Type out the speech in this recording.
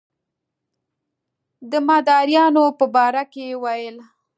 د مداریانو په باره کې یې ویل.